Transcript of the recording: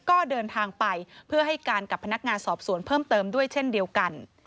ก็เดินทางไปเพื่อให้การกับพนักงานสอบสวนเพิ่มเติมด้วยเช่นเดียวกัน